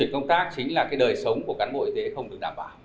chính là cái đời sống của cán bộ y tế không được đảm bảo